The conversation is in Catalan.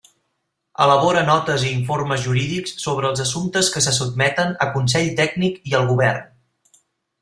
Elabora notes i informes jurídics sobre els assumptes que se sotmeten a Consell Tècnic i al Govern.